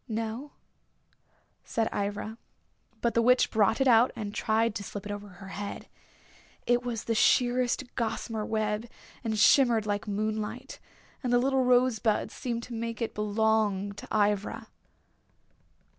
"No," said Ivra. But the Witch brought it out and tried to slip it over her head. It was sheerest gossamer web, and shimmered like moonlight. And the little rosebuds seemed to make it belong to Ivra.